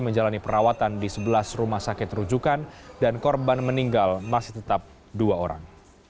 menjalani perawatan di sebelas rumah sakit rujukan dan korban meninggal masih tetap dua orang